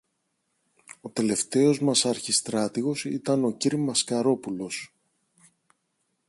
ο τελευταίος μας αρχιστράτηγος ήταν ο κυρ-Μασκαρόπουλος.